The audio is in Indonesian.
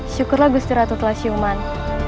syukurlah gusti ratu telah siuman